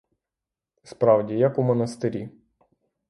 Справді, як у монастирі.